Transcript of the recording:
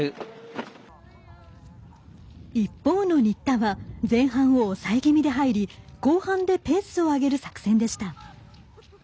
一方の新田は前半を抑え気味で入り後半でペースを上げる作戦でした。